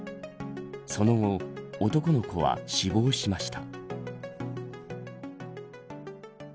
その後、男の子は死亡しました。